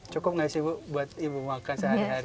cukup nggak sih bu buat ibu makan sehari hari